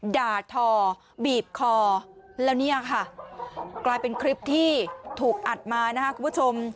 ด่าทอบีบคอแล้วเนี่ยค่ะกลายเป็นคลิปที่ถูกอัดมานะครับคุณผู้ชม